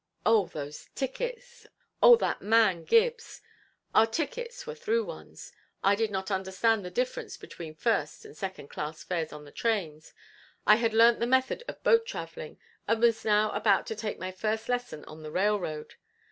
Oh! those tickets. Oh! that man Gibbs. Our tickets were through ones, I did not understand the difference between first and second class fares on the trains. I had learnt the method of boat traveling and was now about to take my first lesson on the railroad.